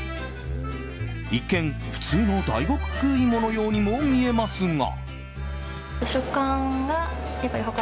一見、普通の大学いものようにも見えますが。